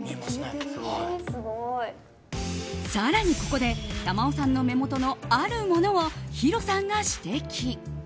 更にここで珠緒さんの目元のあるものをヒロさんが指摘。